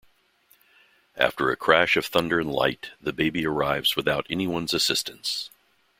After a crash of thunder and light, the baby arrives without anyone's assistance.